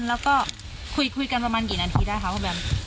แล้วก็คุยกันประมาณกี่นาทีได้คะคุณแบม